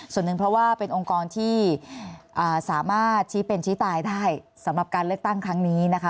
ส่วนหนึ่งเพราะว่าเป็นองค์กรที่สามารถชี้เป็นชี้ตายได้สำหรับการเลือกตั้งครั้งนี้นะคะ